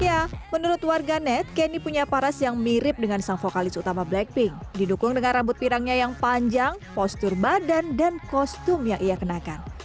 ya menurut warga net kenny punya paras yang mirip dengan sang vokalis utama blackpink didukung dengan rambut pirangnya yang panjang postur badan dan kostum yang ia kenakan